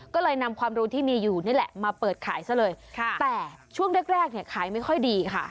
ก็เลยนำความรู้ที่มีอยู่นี่แหละมาเปิดขายซะเลยค่ะแต่ช่วงแรกแรกเนี่ยขายไม่ค่อยดีค่ะ